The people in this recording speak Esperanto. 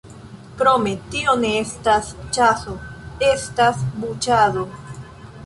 Krome, tio ne estas ĉaso: estas buĉado.